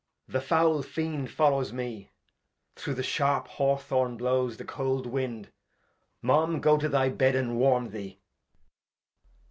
The foul Fiend follows me — Through the sharp Haw Thorn blows the cold Wind. Mum, go to the Bed and warm thee.